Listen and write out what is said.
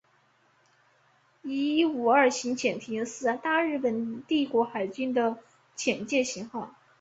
伊五二型潜艇是大日本帝国海军的潜舰型号。